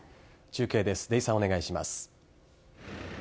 中継です。